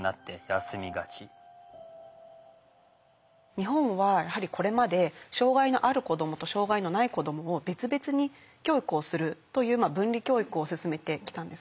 日本はやはりこれまで障害のある子どもと障害のない子どもを別々に教育をするという分離教育を進めてきたんですね。